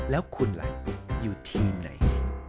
แล้วคุณล่ะอยู่ทีมไหน